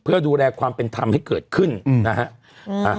เพื่อดูแลความเป็นธรรมให้เกิดขึ้นนะฮะ